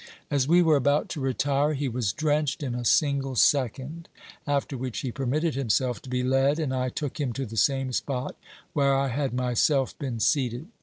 As we were about to retire he was drenched in a single second, after which he permitted himself to be led, and I took him to the same spot where I had myself been seated.